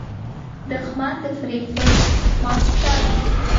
دښمن د فریب پټ ماسټر وي